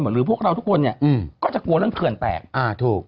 หรือพวกเราทุกคนเนี่ยก็จะกลัวเรื่องเขื่อนแตก